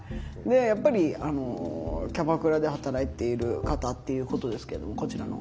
やっぱりキャバクラで働いている方っていうことですけどもこちらの方は。